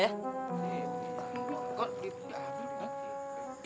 makasih ya pak